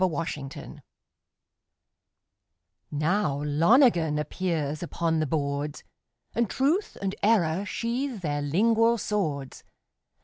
AN INTERPRETATION Now Lonergan appears upon the boards, And Truth and Error sheathe their lingual swords.